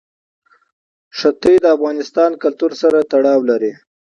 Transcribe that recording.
ښتې د افغان کلتور سره تړاو لري.